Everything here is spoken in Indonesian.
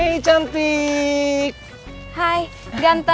nanti kita luar kita semuanya